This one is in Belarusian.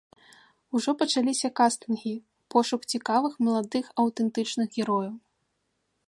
Ужо пачаліся кастынгі, пошук цікавых маладых аўтэнтычных герояў.